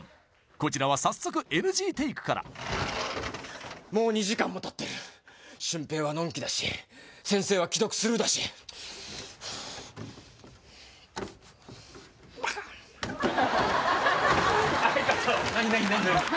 こちらは早速ＮＧテイクからもう２時間もたってる俊平はのんきだし先生は既読スルーだし・はいカット何何何何？